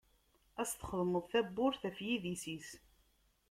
Ad s-txedmeḍ tabburt ɣef yidis-is.